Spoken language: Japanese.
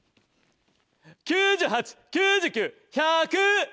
９８・９９・１００！